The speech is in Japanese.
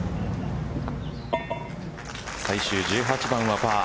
最終１８番はパー。